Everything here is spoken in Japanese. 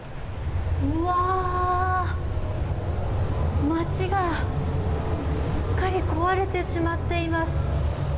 うわー、街がすっかり壊れてしまっています。